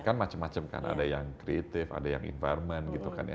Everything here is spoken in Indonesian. kan macam macam kan ada yang kreatif ada yang environment gitu kan ya